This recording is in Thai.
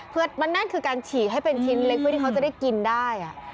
เพื่อมันนั่นคือการฉีกให้เป็นชิ้นเล็กเพื่อที่เขาจะได้กินได้